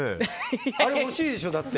あれ、欲しいでしょ？